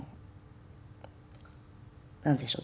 何でしょう